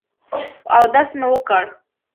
اودس مې وکړ.